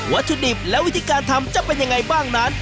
วัตถุดิบและวิธีการทำจะเป็นยังไงบ้างนั้น